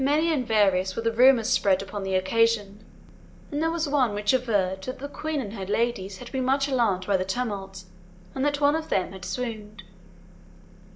Many and various were the rumours spread upon the occasion, and there was one which averred that the Queen and her ladies had been much alarmed by the tumult, and that one of them had swooned.